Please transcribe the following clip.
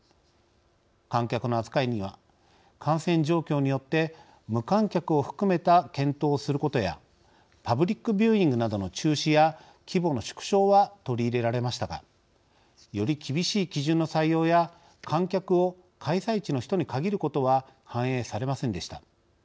観客の扱いには感染状況によって無観客を含めた検討をすることやパブリックビューイングなどの中止や規模の縮小は取り入れられましたがより厳しい基準の採用や観客を開催地の人に限ることは反映されませんでした。